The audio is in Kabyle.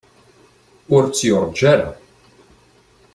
Ur tt-yurǧa ara.